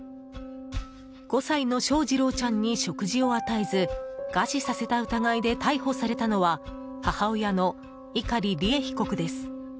５歳の翔士郎ちゃんに食事を与えず餓死させた疑いで逮捕されたのは母親の碇利恵被告です。